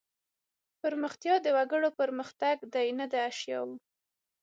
پرمختیا د وګړو پرمختګ دی نه د اشیاوو.